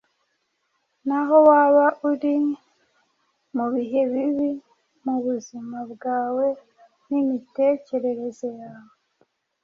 Naho waba uri mu bihe bibi mu buzima bwawe n’imitekerereze yawe